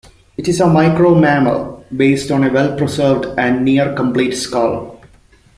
It is a micro-mammal, based on a well-preserved and near complete skull.